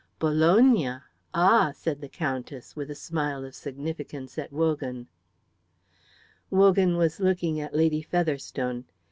"Bologna. Ah!" said the Countess, with a smile of significance at Wogan. Wogan was looking at Lady Featherstone.